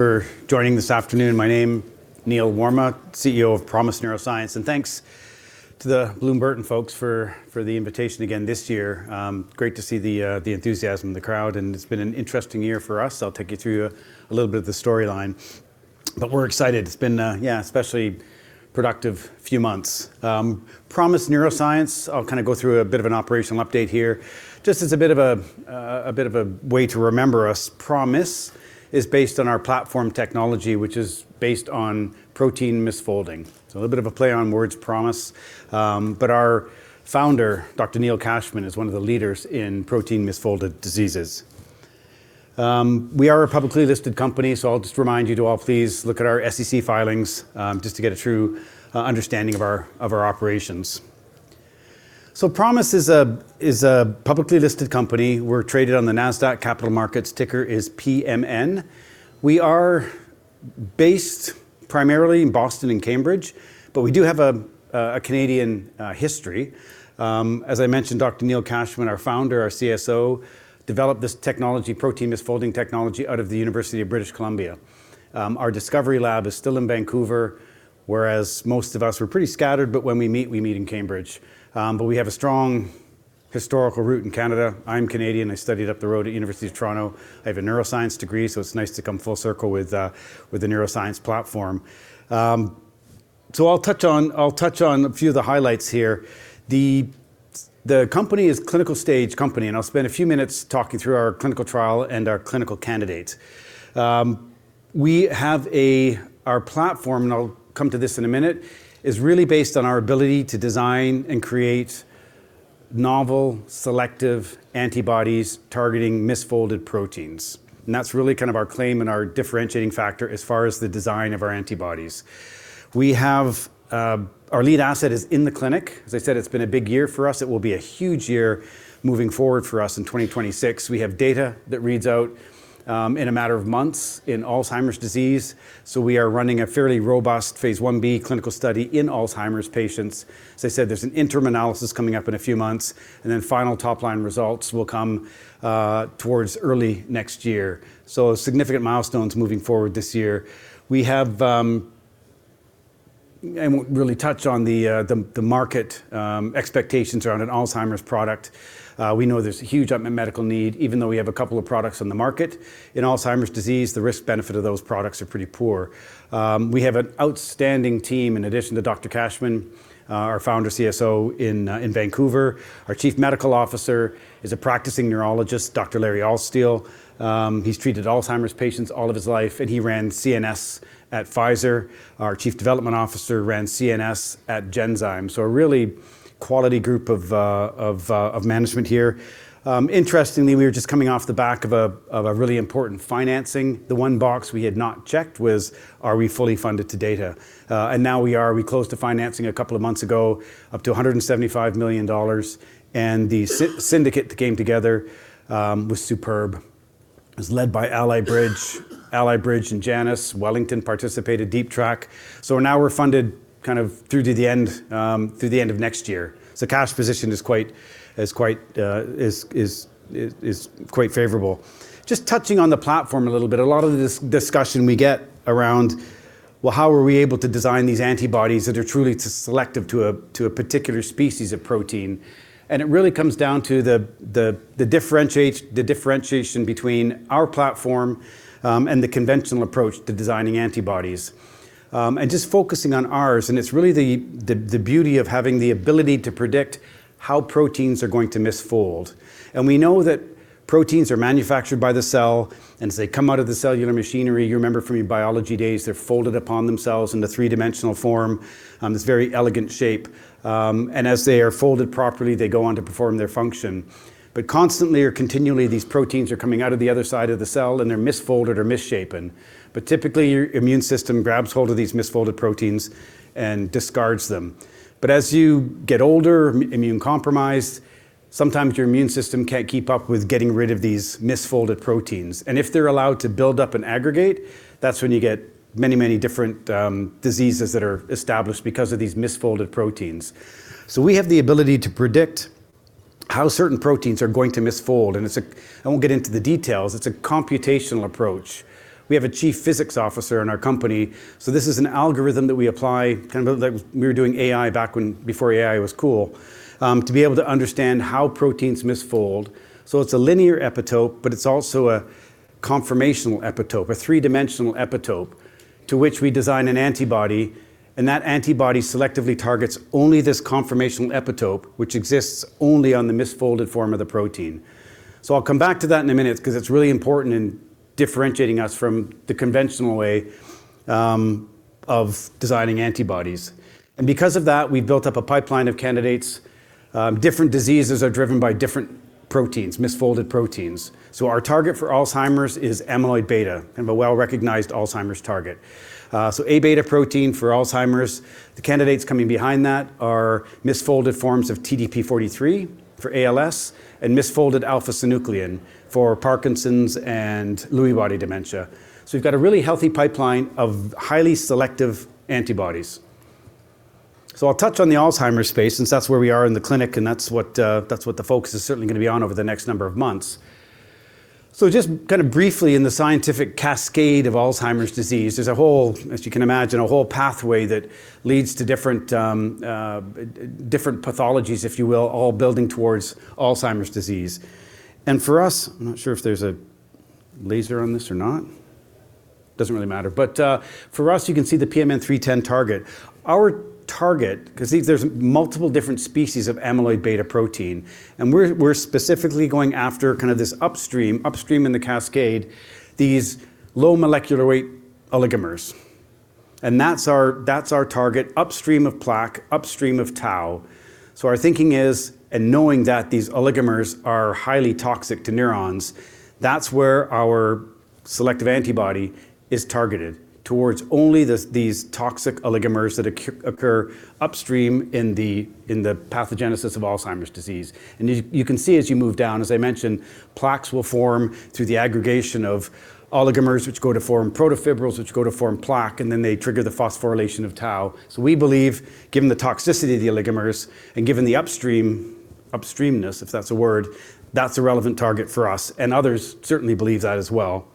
For joining this afternoon. My name, Neil Warma, CEO of ProMIS Neurosciences. Thanks to the Bloom Burton & Co. folks for the invitation again this year. Great to see the enthusiasm in the crowd, and it's been an interesting year for us. I'll take you through a little bit of the storyline. We're excited. It's been an especially productive few months. ProMIS Neurosciences, I'll go through a bit of an operational update here. Just as a bit of a way to remember us, ProMIS is based on our platform technology, which is based on protein misfolding. A little bit of a play on words, ProMIS. Our founder, Dr. Neil Cashman, is one of the leaders in protein misfolded diseases. We are a publicly listed company, so I'll just remind you to all please look at our SEC filings, just to get a true understanding of our operations. ProMIS is a publicly listed company. We're traded on the Nasdaq Capital Market, ticker is PMN. We are based primarily in Boston and Cambridge, but we do have a Canadian history. As I mentioned, Dr. Neil Cashman, our founder, our CSO, developed this technology, protein misfolding technology, out of the University of British Columbia. Our discovery lab is still in Vancouver, whereas most of us, we're pretty scattered, but when we meet, we meet in Cambridge. We have a strong historical root in Canada. I'm Canadian. I studied up the road at University of Toronto. I have a neuroscience degree, so it's nice to come full circle with the neuroscience platform. I'll touch on a few of the highlights here. The company is a clinical stage company, and I'll spend a few minutes talking through our clinical trial and our clinical candidates. Our platform, I'll come to this in a minute, is really based on our ability to design and create novel, selective antibodies targeting misfolded proteins, and that's really kind of our claim and our differentiating factor as far as the design of our antibodies. Our lead asset is in the clinic. As I said, it's been a big year for us. It will be a huge year moving forward for us in 2026. We have data that reads out in a matter of months in Alzheimer's disease, so we are running a fairly robust Phase I-B clinical study in Alzheimer's patients. As I said, there's an interim analysis coming up in a few months, and then final top-line results will come towards early next year. Significant milestones moving forward this year. I won't really touch on the market expectations around an Alzheimer's product. We know there's a huge unmet medical need. Even though we have a couple of products on the market in Alzheimer's disease, the risk-benefit of those products are pretty poor. We have an outstanding team, in addition to Dr. Neil Cashman, our founder, CSO in Vancouver. Our Chief Medical Officer is a practicing neurologist, Dr. Larry Altstiel. He's treated Alzheimer's patients all of his life, and he ran CNS at Pfizer. Our Chief Development Officer ran CNS at Genzyme. A really quality group of management here. Interestingly, we are just coming off the back of a really important financing. The one box we had not checked was, are we fully funded to data? Now we are. We closed the financing a couple of months ago, up to $175 million, the syndicate that came together was superb. It was led by Ally Bridge and Janus. Wellington participated, Deep Track. Now we're funded through to the end of next year. Cash position is quite favorable. Just touching on the platform a little bit, a lot of the discussion we get around, well, how are we able to design these antibodies that are truly selective to a particular species of protein? It really comes down to the differentiation between our platform and the conventional approach to designing antibodies. Just focusing on ours, it's really the beauty of having the ability to predict how proteins are going to misfold. We know that proteins are manufactured by the cell, and as they come out of the cellular machinery, you remember from your biology days, they're folded upon themselves in the three-dimensional form, this very elegant shape. As they are folded properly, they go on to perform their function. Constantly or continually, these proteins are coming out of the other side of the cell, and they're misfolded or misshapen. Typically, your immune system grabs hold of these misfolded proteins and discards them. As you get older, immune-compromised, sometimes your immune system can't keep up with getting rid of these misfolded proteins. If they're allowed to build up and aggregate, that's when you get many different diseases that are established because of these misfolded proteins. We have the ability to predict how certain proteins are going to misfold, and I won't get into the details. It's a computational approach. We have a chief physics officer in our company, this is an algorithm that we apply, kind of like we were doing AI before AI was cool, to be able to understand how proteins misfold. It's a linear epitope, but it's also a conformational epitope, a three-dimensional epitope to which we design an antibody, and that antibody selectively targets only this conformational epitope, which exists only on the misfolded form of the protein. I'll come back to that in a minute because it's really important in differentiating us from the conventional way of designing antibodies. Because of that, we've built up a pipeline of candidates. Different diseases are driven by different proteins, misfolded proteins. Our target for Alzheimer's is amyloid beta and a well-recognized Alzheimer's target. A-beta protein for Alzheimer's. The candidates coming behind that are misfolded forms of TDP-43 for ALS and misfolded alpha-synuclein for Parkinson's and Lewy body dementia. We've got a really healthy pipeline of highly selective antibodies. I'll touch on the Alzheimer's space since that's where we are in the clinic and that's what the focus is certainly going to be on over the next number of months. Just kind of briefly in the scientific cascade of Alzheimer's disease, there's, as you can imagine, a whole pathway that leads to different pathologies, if you will, all building towards Alzheimer's disease. For us, I'm not sure if there's a laser on this or not. Doesn't really matter. For us, you can see the PMN310 target. Our target, because there's multiple different species of amyloid beta protein, and we're specifically going after kind of this upstream in the cascade, these low molecular weight oligomers. That's our target upstream of plaque, upstream of tau. Our thinking is, and knowing that these oligomers are highly toxic to neurons, that's where our selective antibody is targeted towards only these toxic oligomers that occur upstream in the pathogenesis of Alzheimer's disease. You can see as you move down, as I mentioned, plaques will form through the aggregation of oligomers, which go to form protofibrils, which go to form plaque, and then they trigger the phosphorylation of tau. We believe, given the toxicity of the oligomers and given the upstreamness, if that's a word, that's a relevant target for us, and others certainly believe that as well.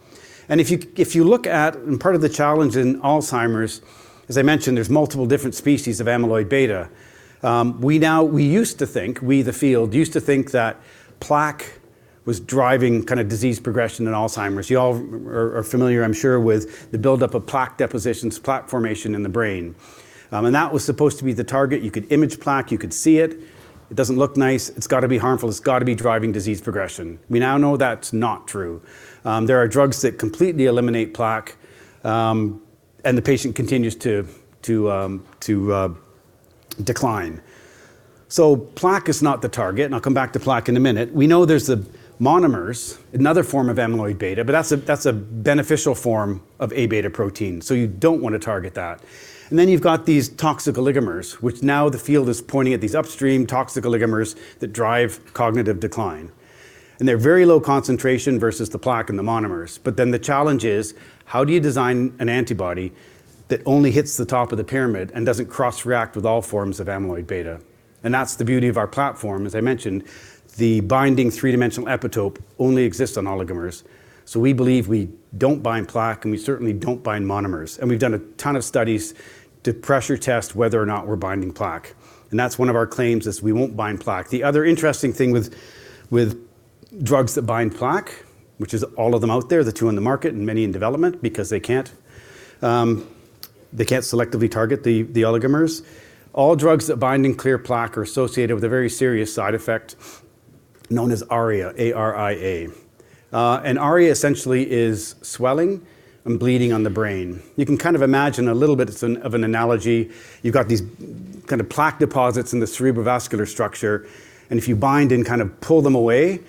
Part of the challenge in Alzheimer's, as I mentioned, there's multiple different species of amyloid beta. We, the field, used to think that plaque was driving kind of disease progression in Alzheimer's. You all are familiar, I'm sure, with the buildup of plaque depositions, plaque formation in the brain. That was supposed to be the target. You could image plaque. You could see it. It doesn't look nice. It's got to be harmful. It's got to be driving disease progression. We now know that's not true. There are drugs that completely eliminate plaque, and the patient continues to decline. Plaque is not the target, and I'll come back to plaque in a minute. We know there's the monomers, another form of amyloid beta, but that's a beneficial form of A-beta protein, so you don't want to target that. You've got these toxic oligomers, which now the field is pointing at these upstream toxic oligomers that drive cognitive decline. They're very low concentration versus the plaque and the monomers. The challenge is how do you design an antibody that only hits the top of the pyramid and doesn't cross-react with all forms of amyloid beta? That's the beauty of our platform. As I mentioned, the binding three-dimensional epitope only exists on oligomers. We believe we don't bind plaque, and we certainly don't bind monomers. We've done a ton of studies to pressure test whether or not we're binding plaque. That's one of our claims is we won't bind plaque. The other interesting thing with drugs that bind plaque, which is all of them out there, the two in the market and many in development, because they can't selectively target the oligomers. All drugs that bind and clear plaque are associated with a very serious side effect known as ARIA, A-R-I-A. ARIA essentially is swelling and bleeding on the brain. You can kind of imagine a little bit of an analogy. You've got these kind of plaque deposits in the cerebrovascular structure, and if you bind and kind of pull them away,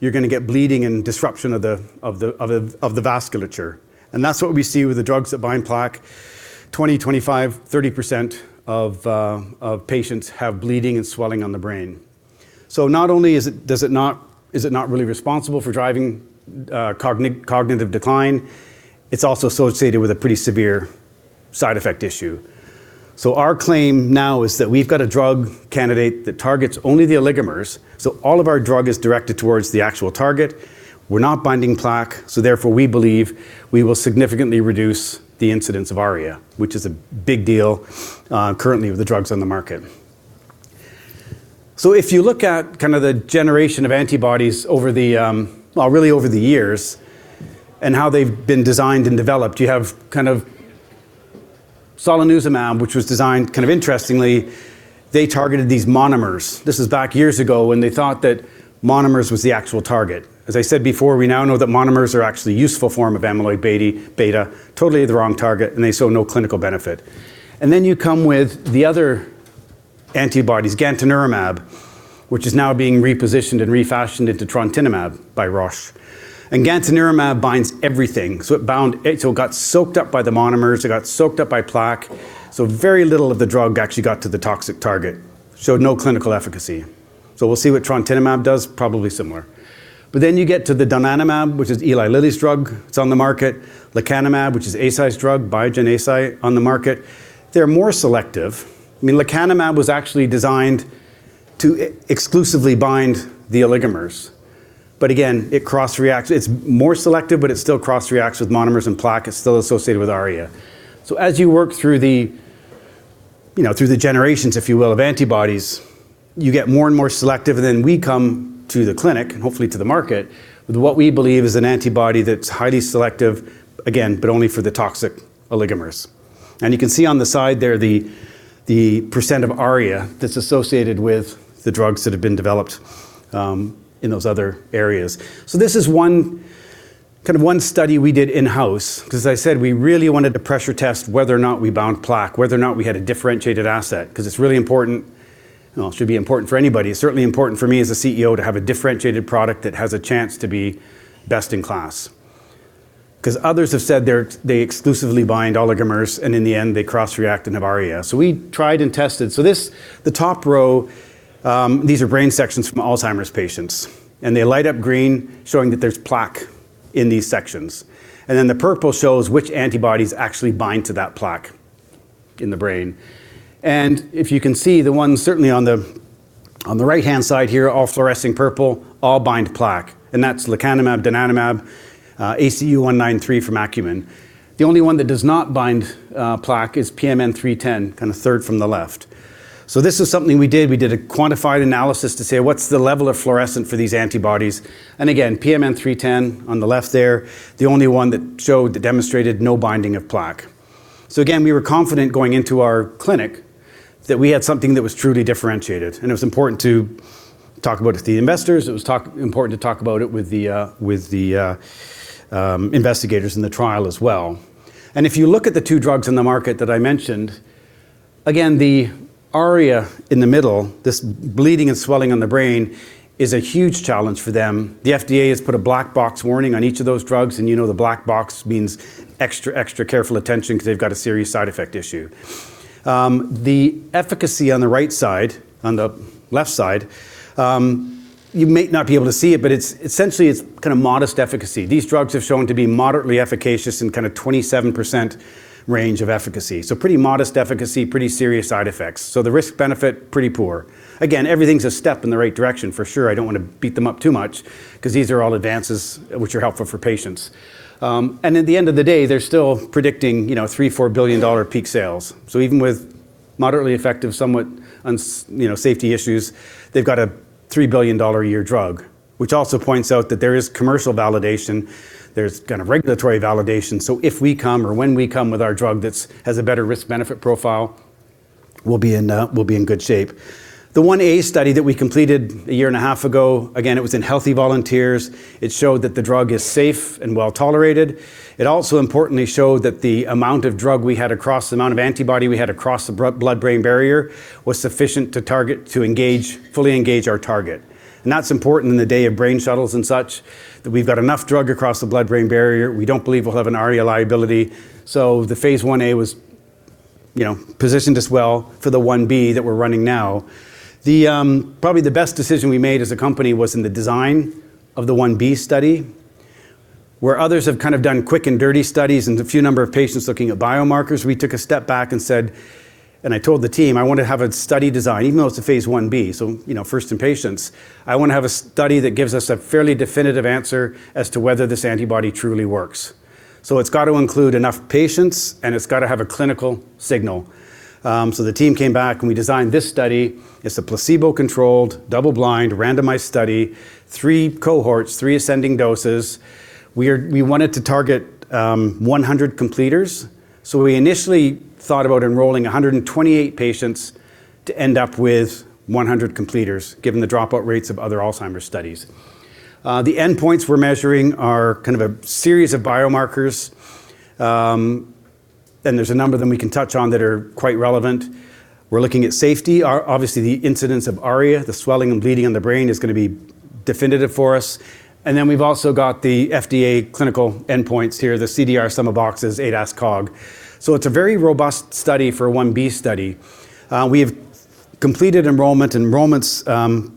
you're going to get bleeding and disruption of the vasculature. That's what we see with the drugs that bind plaque. 20%, 25%, 30% of patients have bleeding and swelling on the brain. Not only is it not really responsible for driving cognitive decline, it's also associated with a pretty severe side effect issue. Our claim now is that we've got a drug candidate that targets only the oligomers. All of our drug is directed towards the actual target. We're not binding plaque, so therefore, we believe we will significantly reduce the incidence of ARIA, which is a big deal currently with the drugs on the market. If you look at kind of the generation of antibodies really over the years and how they've been designed and developed, you have kind of solanezumab, which was designed kind of interestingly, they targeted these monomers. This is back years ago when they thought that monomers was the actual target. As I said before, we now know that monomers are actually useful form of amyloid beta. Totally the wrong target, they saw no clinical benefit. You come with the other antibodies, gantenerumab, which is now being repositioned and refashioned into trontinemab by Roche. Gantenerumab binds everything. It got soaked up by the monomers, it got soaked up by plaque, very little of the drug actually got to the toxic target. Showed no clinical efficacy. We'll see what trontinemab does, probably similar. You get to the donanemab, which is Eli Lilly's drug. It's on the market. Lecanemab, which is Eisai's drug, Biogen-Eisai, on the market. They're more selective. I mean, lecanemab was actually designed to exclusively bind the oligomers. Again, it's more selective, but it still cross-reacts with monomers and plaque. It's still associated with ARIA. As you work through the generations, if you will, of antibodies, you get more and more selective. We come to the clinic, and hopefully to the market, with what we believe is an antibody that's highly selective, again, but only for the toxic oligomers. You can see on the side there the % of ARIA that's associated with the drugs that have been developed in those other areas. This is one kind of one study we did in-house, because as I said, we really wanted to pressure test whether or not we bound plaque, whether or not we had a differentiated asset, because it's really important. Well, it should be important for anybody. It's certainly important for me as a CEO to have a differentiated product that has a chance to be best in class. Because others have said they exclusively bind oligomers, and in the end, they cross-react and have ARIA. We tried and tested. The top row, these are brain sections from Alzheimer's patients. They light up green showing that there's plaque in these sections. The purple shows which antibodies actually bind to that plaque in the brain. If you can see, the ones certainly on the right-hand side here, all fluorescing purple, all bind plaque. That's lecanemab, donanemab, ACU193 from Acumen. The only one that does not bind plaque is PMN310, kind of third from the left. This is something we did. We did a quantified analysis to say, what's the level of fluorescent for these antibodies? Again, PMN310 on the left there, the only one that showed, that demonstrated no binding of plaque. Again, we were confident going into our clinic that we had something that was truly differentiated. It was important to talk about it with the investors. It was important to talk about it with the investigators in the trial as well. If you look at the two drugs in the market that I mentioned, again, the ARIA in the middle, this bleeding and swelling on the brain, is a huge challenge for them. The FDA has put a black box warning on each of those drugs, you know the black box means extra careful attention because they've got a serious side effect issue. The efficacy on the right side, on the left side, you might not be able to see it, but essentially it's kind of modest efficacy. These drugs have shown to be moderately efficacious in kind of 27% range of efficacy. Pretty modest efficacy, pretty serious side effects. The risk-benefit, pretty poor. Again, everything's a step in the right direction for sure. I don't want to beat them up too much because these are all advances which are helpful for patients. At the end of the day, they're still predicting $3 billion-$4 billion peak sales. Even with moderately effective, somewhat safety issues, they've got a $3 billion a year drug. Which also points out that there is commercial validation, there's regulatory validation. If we come or when we come with our drug that has a better risk-benefit profile, we'll be in good shape. The phase I-A study that we completed a year and a half ago, again, it was in healthy volunteers. It showed that the drug is safe and well-tolerated. It also importantly showed that the amount of drug we had across, the amount of antibody we had across the blood-brain barrier was sufficient to fully engage our target. That's important in the day of brain shuttles and such, that we've got enough drug across the blood-brain barrier. We don't believe we'll have an ARIA liability. The phase I-A was positioned us well for the phase I-B that we're running now. Probably the best decision we made as a company was in the design of the phase I-B study. Where others have kind of done quick and dirty studies and a few number of patients looking at biomarkers, we took a step back and said, I told the team, I want to have a study design, even though it's a phase I-B, first in patients, I want to have a study that gives us a fairly definitive answer as to whether this antibody truly works. It's got to include enough patients and it's got to have a clinical signal. The team came back and we designed this study. It's a placebo-controlled, double-blind, randomized study, 3 cohorts, 3 ascending doses. We wanted to target 100 completers. We initially thought about enrolling 128 patients to end up with 100 completers, given the dropout rates of other Alzheimer's studies. The endpoints we're measuring are kind of a series of biomarkers. There's a number of them we can touch on that are quite relevant. We're looking at safety. Obviously, the incidence of ARIA, the swelling and bleeding in the brain is going to be definitive for us. Then we've also got the FDA clinical endpoints here, the CDR Sum of Boxes, ADAS-Cog. It's a very robust study for a phase I-B study. We have completed enrollment. Enrollment's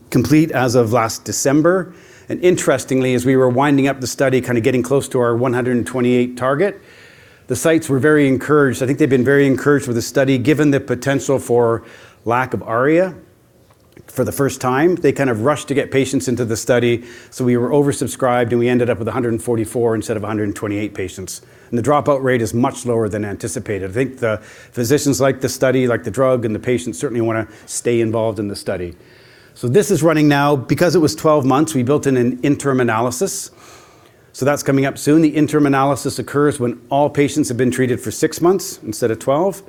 complete as of last December. Interestingly, as we were winding up the study, kind of getting close to our 128 target, the sites were very encouraged. I think they've been very encouraged with the study, given the potential for lack of ARIA for the first time. They kind of rushed to get patients into the study, we were oversubscribed, and we ended up with 144 instead of 128 patients. The dropout rate is much lower than anticipated. I think the physicians like the study, like the drug, and the patients certainly want to stay involved in the study. This is running now. Because it was 12 months, we built in an interim analysis. That's coming up soon. The interim analysis occurs when all patients have been treated for six months instead of 12.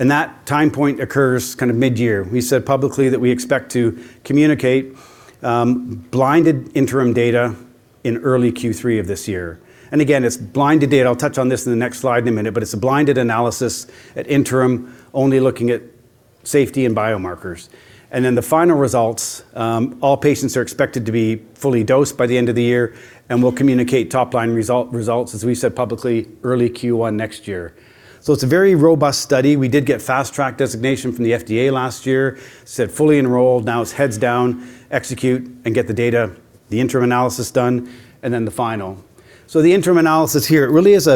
And that time point occurs kind of mid-year. We said publicly that we expect to communicate blinded interim data in early Q3 of this year. Again, it's blinded data. I'll touch on this in the next slide in a minute, but it's a blinded analysis at interim, only looking at safety and biomarkers. Then the final results, all patients are expected to be fully dosed by the end of the year, and we'll communicate top-line results, as we said publicly, early Q1 next year. It's a very robust study. We did get fast track designation from the FDA last year, said fully enrolled. Now it's heads down, execute, and get the data, the interim analysis done, and then the final. The interim analysis here really is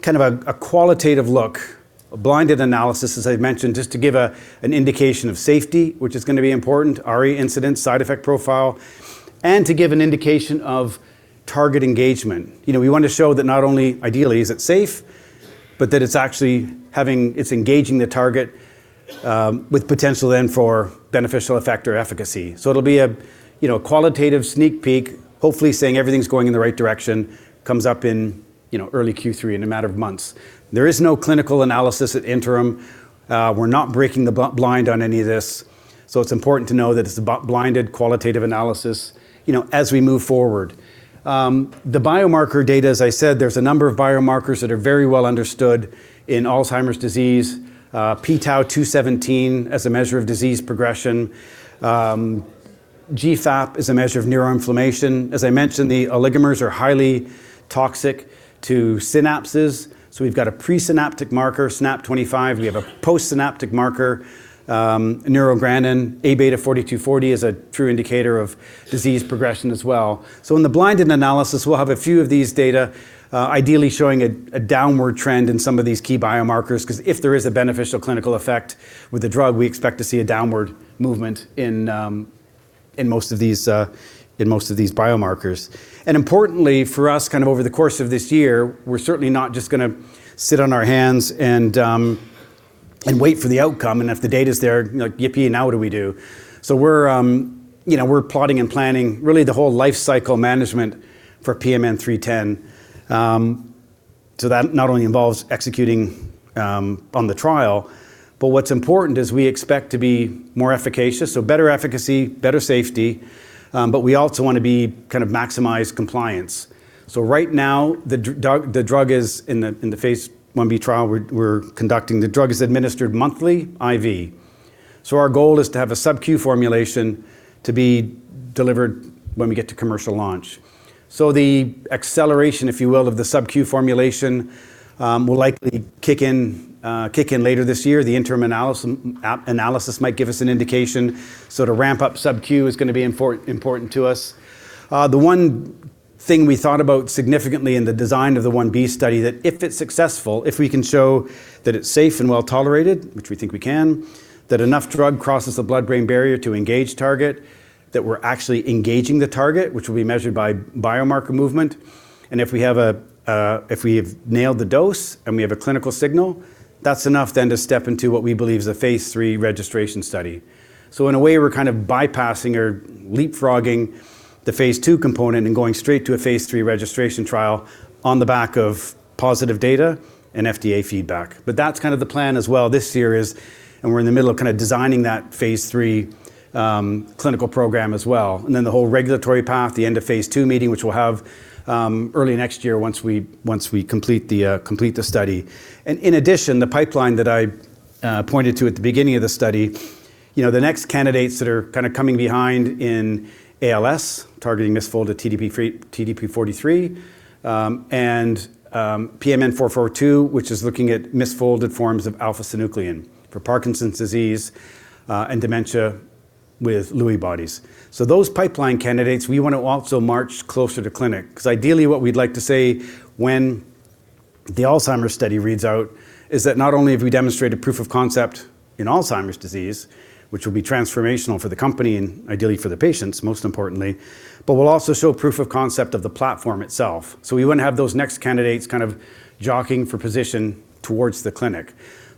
kind of a qualitative look, a blinded analysis, as I mentioned, just to give an indication of safety, which is going to be important, ARIA incidence, side effect profile, and to give an indication of target engagement. We want to show that not only ideally is it safe, but that it's actually engaging the target with potential then for beneficial effect or efficacy. It'll be a qualitative sneak peek, hopefully saying everything's going in the right direction, comes up in early Q3 in a matter of months. There is no clinical analysis at interim. We're not breaking the blind on any of this. It's important to know that it's a blinded qualitative analysis as we move forward. The biomarker data, as I said, there's a number of biomarkers that are very well understood in Alzheimer's disease. p-tau217 as a measure of disease progression. GFAP is a measure of neuroinflammation. As I mentioned, the oligomers are highly toxic to synapses. We've got a presynaptic marker, SNAP25. We have a postsynaptic marker, neurogranin. Aβ42/Aβ40 is a true indicator of disease progression as well. In the blinded analysis, we'll have a few of these data, ideally showing a downward trend in some of these key biomarkers, because if there is a beneficial clinical effect with the drug, we expect to see a downward movement in most of these biomarkers. Importantly for us over the course of this year, we're certainly not just going to sit on our hands and wait for the outcome. And if the data's there, yippee, now what do we do? We're plotting and planning really the whole life cycle management for PMN310. That not only involves executing on the trial, but what's important is we expect to be more efficacious, so better efficacy, better safety, but we also want to maximize compliance. Right now, the drug is in the phase I-B trial we're conducting. The drug is administered monthly IV. Our goal is to have a SubQ formulation to be delivered when we get to commercial launch. The acceleration, if you will, of the SubQ formulation, will likely kick in later this year. The interim analysis might give us an indication. To ramp up SubQ is going to be important to us. The one thing we thought about significantly in the design of the phase I-B study, that if it's successful, if we can show that it's safe and well-tolerated, which we think we can, that enough drug crosses the blood-brain barrier to engage target, that we're actually engaging the target, which will be measured by biomarker movement, and if we've nailed the dose and we have a clinical signal, that's enough to step into what we believe is a phase III registration study. In a way, we're kind of bypassing or leapfrogging the phase II component and going straight to a phase III registration trial on the back of positive data and FDA feedback. That's kind of the plan as well. This year, we're in the middle of designing that phase III clinical program as well. The whole regulatory path, the end of phase II meeting, which we'll have early next year once we complete the study. In addition, the pipeline that I pointed to at the beginning of the study, the next candidates that are kind of coming behind in ALS, targeting misfolded TDP-43, and PMN442, which is looking at misfolded forms of alpha-synuclein for Parkinson's disease and dementia with Lewy body dementia. Those pipeline candidates, we want to also march closer to clinic, because ideally what we'd like to say when the Alzheimer's study reads out is that not only have we demonstrated proof of concept in Alzheimer's disease, which will be transformational for the company and ideally for the patients, most importantly, but we'll also show proof of concept of the platform itself. We want to have those next candidates kind of jockeying for position towards the clinic.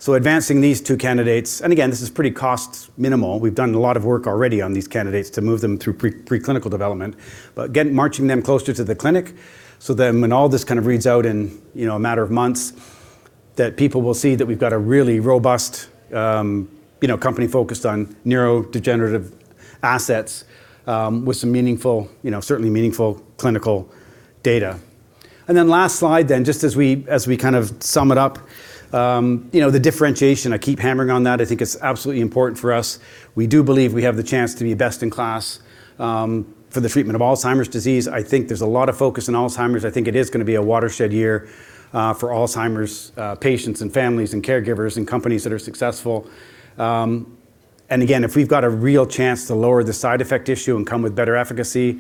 Advancing these two candidates, and again, this is pretty cost minimal. We've done a lot of work already on these candidates to move them through pre-clinical development. Again, marching them closer to the clinic so that when all this reads out in a matter of months, that people will see that we've got a really robust company focused on neurodegenerative assets with certainly meaningful clinical data. Last slide, just as we kind of sum it up. The differentiation, I keep hammering on that. I think it's absolutely important for us. We do believe we have the chance to be best in class for the treatment of Alzheimer's disease. I think there's a lot of focus on Alzheimer's. I think it is going to be a watershed year for Alzheimer's patients and families and caregivers and companies that are successful. Again, if we've got a real chance to lower the side effect issue and come with better efficacy,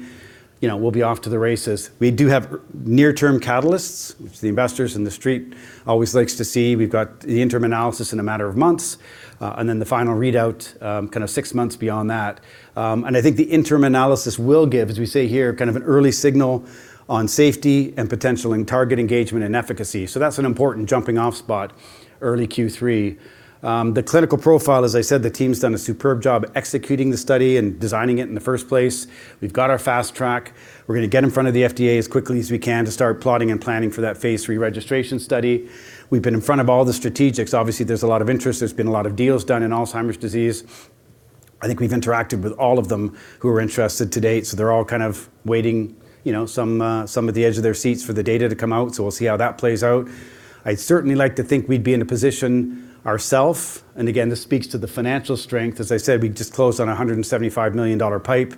we'll be off to the races. We do have near-term catalysts, which the investors and The Street always likes to see. We've got the interim analysis in a matter of months, and the final readout six months beyond that. I think the interim analysis will give, as we say here, kind of an early signal on safety and potential in target engagement and efficacy. That's an important jumping-off spot early Q3. The clinical profile, as I said, the team's done a superb job executing the study and designing it in the first place. We've got our fast track. We're going to get in front of the FDA as quickly as we can to start plotting and planning for that phase III registration study. We've been in front of all the strategics. Obviously, there's a lot of interest. There's been a lot of deals done in Alzheimer's disease. I think we've interacted with all of them who are interested to date, they're all kind of waiting, some at the edge of their seats for the data to come out. We'll see how that plays out. I'd certainly like to think we'd be in a position ourself, and again, this speaks to the financial strength. As I said, we just closed on a $175 million pipe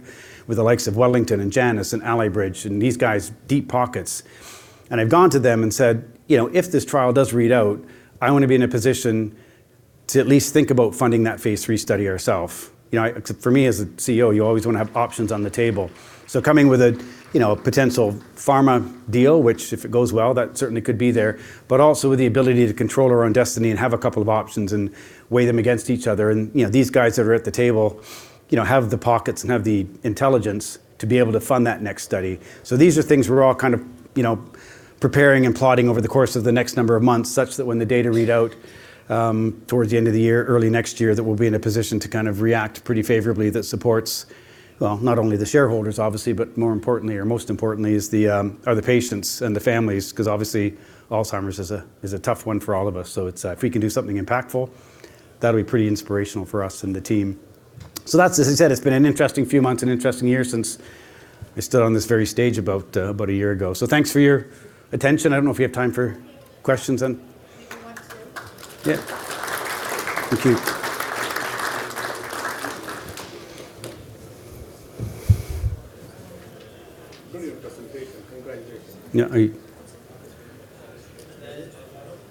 with the likes of Wellington and Janus and Ally Bridge and these guys, deep pockets. I've gone to them and said, "If this trial does read out, I want to be in a position to at least think about funding that phase III study ourself." For me as a CEO, you always want to have options on the table. Coming with a potential pharma deal, which if it goes well, that certainly could be there, but also with the ability to control our own destiny and have a couple of options and weigh them against each other. These guys that are at the table have the pockets and have the intelligence to be able to fund that next study. These are things we're all kind of preparing and plotting over the course of the next number of months, such that when the data read out towards the end of the year, early next year, that we'll be in a position to kind of react pretty favorably that supports, well, not only the shareholders, obviously, but more importantly, or most importantly are the patients and the families. Obviously, Alzheimer's is a tough one for all of us. If we can do something impactful, that'll be pretty inspirational for us and the team. As I said, it's been an interesting few months and interesting year since I stood on this very stage about a year ago. Thanks for your attention. I don't know if you have time for questions then? Yeah. Thank you. Brilliant presentation. Congratulations.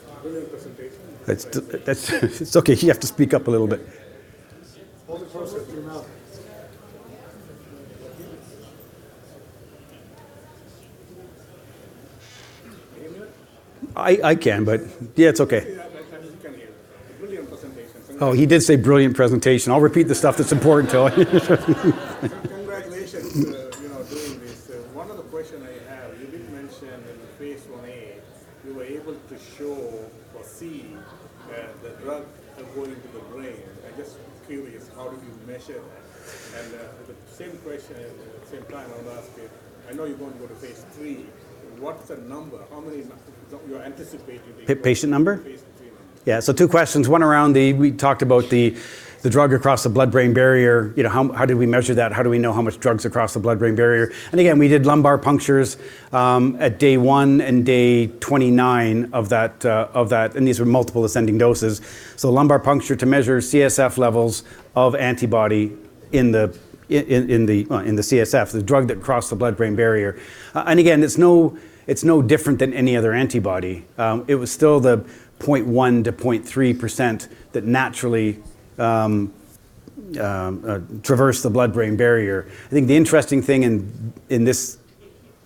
Yeah. Brilliant presentation. Congratulations. It's okay. You have to speak up a little bit. Hold it closer to your mouth. Can you hear it? I can, but yeah, it's okay. Yeah, can you hear that? Brilliant presentation. Oh, he did say brilliant presentation. I'll repeat the stuff that's important to him. Congratulations doing this. One of the questions I have, you did mention in the phase I-A, you were able to show or see the drug going into the brain. I'm just curious, how did you measure that? The same question, same time I'm asking, I know you want to go to phase III. What's the number? How many you are anticipating- Patient number? in phase III. Yeah, two questions. One around the drug across the blood-brain barrier. How did we measure that? How do we know how much drug's across the blood-brain barrier? Again, we did lumbar punctures at day 1 and day 29 of that. These were multiple ascending doses. Lumbar puncture to measure CSF levels of antibody in the CSF, the drug that crossed the blood-brain barrier. Again, it's no different than any other antibody. It was still the 0.1%-0.3% that naturally traverse the blood-brain barrier. I think the interesting thing in this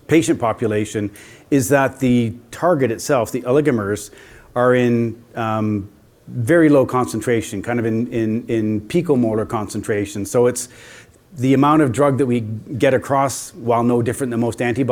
patient population is that the target itself, the oligomers, are in very low concentration, in picomolar concentration. The amount of drug that we get across, while no different than most antibodies-